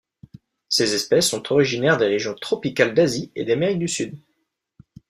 Ses espèces sont originaires des régions tropicales d'Asie et d'Amérique du Sud.